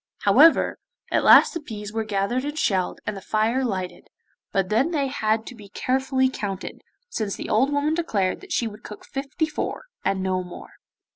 However, at last the peas were gathered and shelled, and the fire lighted, but then they had to be carefully counted, since the old woman declared that she would cook fifty four, and no more.